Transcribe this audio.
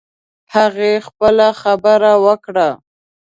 هغې خپله خبره وکړه